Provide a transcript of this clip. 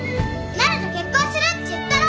なると結婚するっち言ったろ！？